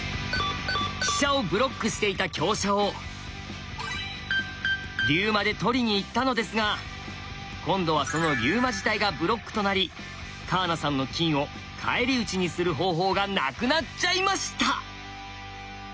飛車をブロックしていた香車を龍馬で取りにいったのですが今度はその龍馬自体がブロックとなり川名さんの金を返り討ちにする方法がなくなっちゃいました。